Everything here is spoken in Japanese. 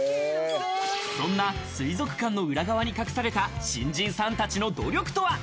そんな水族館の裏側に隠された新人さんたちの努力とは？